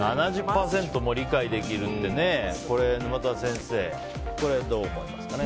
７０％も理解できるって沼田先生、どう思いますかね。